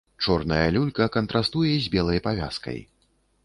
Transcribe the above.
Чорная люлька кантрастуе з белай павязкай.